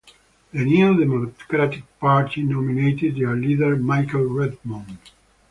The New Democratic Party nominated their leader Michael Redmond.